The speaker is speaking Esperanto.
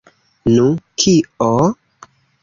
Nu... kio?